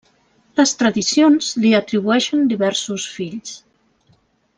Les tradicions li atribueixen diversos fills.